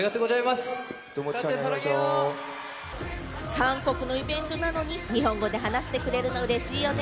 韓国のイベントなのに、日本語で話してくれるのは、うれしいよね。